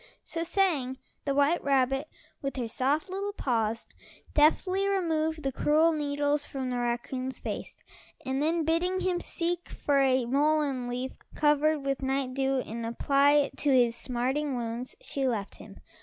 So saying, the white rabbit, with her soft little paws, deftly removed the cruel needles from the raccoon's face, and then bidding him seek for a mullein leaf covered with night dew, and apply it to his smarting wounds, she left him.